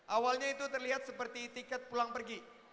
awalnya itu terlihat seperti tiket pulang pergi